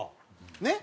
ねっ？